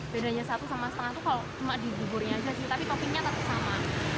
bedanya satu sama setengah itu kalau cuma di buburnya aja sih tapi toppingnya tetap sama